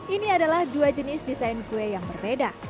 ini adalah dua jenis desain kue yang berbeda